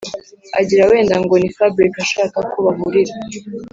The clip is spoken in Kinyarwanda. agira wenda ngo niho fabric ashaka ko bahurira.